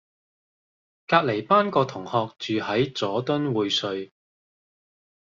隔離班個同學住喺佐敦匯萃